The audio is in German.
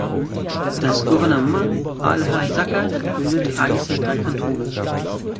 Das Gouvernement al-Hasaka bildet eines der drei Kantone.